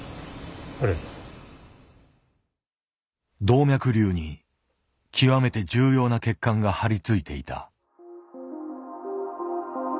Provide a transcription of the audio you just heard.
動脈瘤に極めて重要な血管がはりついていた。